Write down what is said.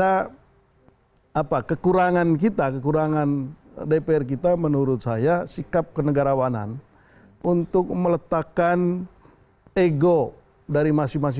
jadi saya kira kekurangan kita kekurangan dpr kita menurut saya sikap kenegarawanan untuk meletakkan ego dari masyarakat